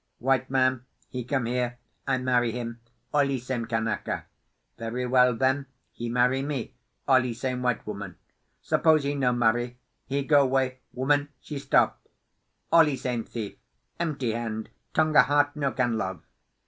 "White man, he come here, I marry him all e same Kanaka; very well then, he marry me all e same white woman. Suppose he no marry, he go 'way, woman he stop. All e same thief, empty hand, Tonga heart—no can love!